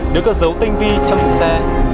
được có dấu tinh vi trong thùng xe